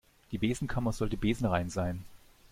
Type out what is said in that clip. Die Besenkammer sollte besenrein sein.